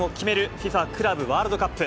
ＦＩＦＡクラブワールドカップ。